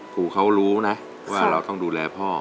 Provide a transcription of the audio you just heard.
ครูเขารู้นะว่าเราต้องดูแลพ่อ